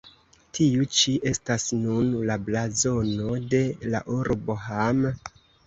Tiu ĉi estas nun la blazono de la urbo Hamm.